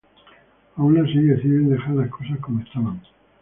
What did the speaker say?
Aun así, deciden dejar las cosas como estaban.